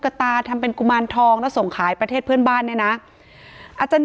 กระตาทำเป็นกุมารทองแล้วส่งขายประเทศเพื่อนบ้านเนี่ยนะอาจารย์